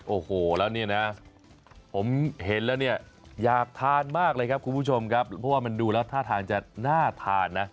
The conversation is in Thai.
โอ้โหแล้วเนี่ยนะผมเห็นแล้วเนี่ยอยากทานมากเลยครับคุณผู้ชมครับเพราะว่ามันดูแล้วท่าทางจะน่าทานนะ